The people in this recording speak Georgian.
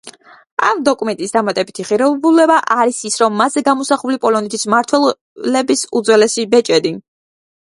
ამ დოკუმენტის დამატებითი ღირებულება არის ის რომ მასზე გამოსახული პოლონეთის მმართველების უძველესი ბეჭედი.